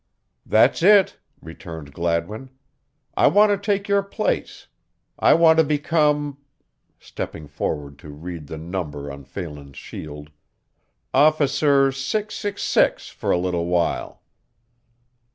"That's it," returned Gladwin. "I want to take your place; I want to become" stepping forward to read the number on Phelan's shield "Officer 666 for a little while."